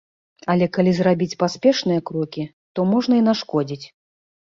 Але калі зрабіць паспешныя крокі, то можна і нашкодзіць.